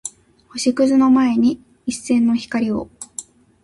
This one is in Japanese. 星屑の前に一閃の光を